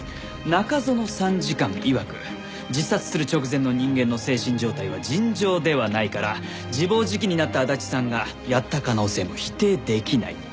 中園参事官いわく「自殺する直前の人間の精神状態は尋常ではないから自暴自棄になった足立さんがやった可能性も否定できない」と。